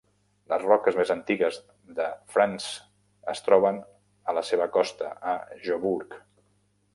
Les roques més antigues de France es troben a la seva costa, a Jobourg.